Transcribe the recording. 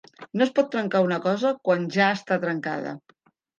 No es pot trencar una cosa quan ja està trencada.